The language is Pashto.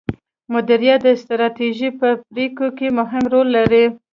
مديريت د ستراتیژۍ په پریکړو کې مهم رول لري.